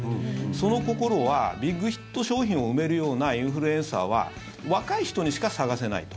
その心はビッグヒット商品を生めるようなインフルエンサーは若い人にしか探せないと。